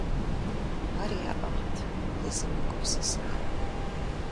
Ар яӏыгът езым и гупсысэхэм…